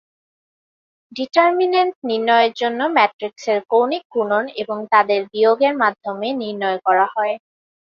Determinant নির্ণয়য়ের জন্য ম্যাট্রিক্সের কৌণিক গুনন এবং তাদের বিয়গের মাধ্যমে নির্ণয় করা হয়।